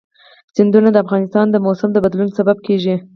سیندونه د افغانستان د موسم د بدلون سبب کېږي.